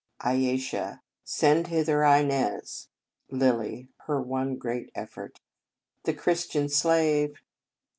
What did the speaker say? Ayesha. Send hither Inez. Lilly. (Her one great effort.) The Christian slave?